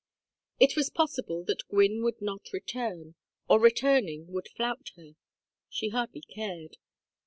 It was possible that Gwynne would not return, or returning, would flout her; she hardly cared.